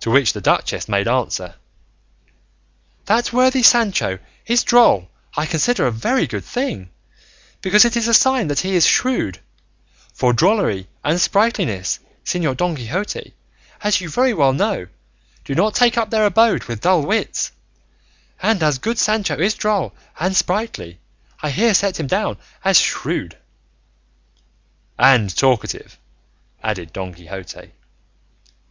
To which the duchess made answer, "that worthy Sancho is droll I consider a very good thing, because it is a sign that he is shrewd; for drollery and sprightliness, Señor Don Quixote, as you very well know, do not take up their abode with dull wits; and as good Sancho is droll and sprightly I here set him down as shrewd." "And talkative," added Don Quixote.